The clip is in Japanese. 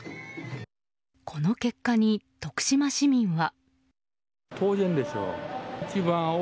この結果に徳島市民は。